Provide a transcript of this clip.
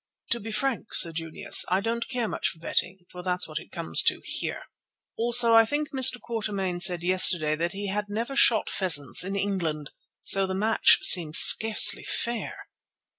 "To be frank, Sir Junius, I don't much care for betting—for that's what it comes to—here. Also I think Mr. Quatermain said yesterday that he had never shot pheasants in England, so the match seems scarcely fair.